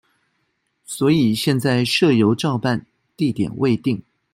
所以現在社遊照辦地點未定